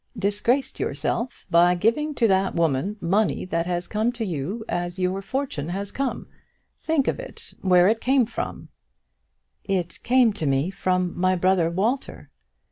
"Disgraced yourself by giving to that woman money that has come to you as your fortune has come. Think of it, where it came from!" "It came to me from my brother Walter."